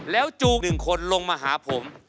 แล้วจูงหนึ่งคนลงมาหาผม